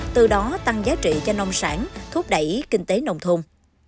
từ đó tăng giá trị cho nông sản thúc đẩy kinh tế nông thôn